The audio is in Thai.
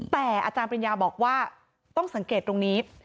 แต่อาจารย์ปริญญาบอกว่าต้องสังเกตตรงนี้